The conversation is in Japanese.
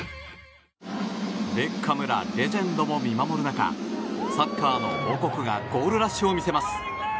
ベッカムらレジェンドが見守る中サッカーの母国がゴールラッシュを見せます。